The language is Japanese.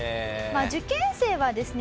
受験生はですね